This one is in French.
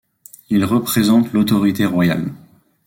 Ils représentent l'autorité royale.